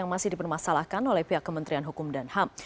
yang masih dipermasalahkan oleh pihak kementerian hukum dan ham